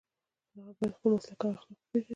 هغه باید خپل مسلک او اخلاق وپيژني.